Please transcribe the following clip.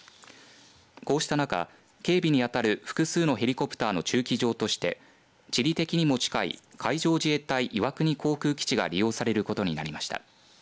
こうした中警備に当たる複数のヘリコプターの駐機場として地理的にも近い海上自衛隊岩国航空基地が利用されることになりました。